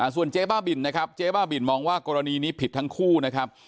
ส่วนเจ๊บ้าบินนะครับเจ๊บ้าบินมองว่ากรณีนี้ผิดทั้งคู่นะครับ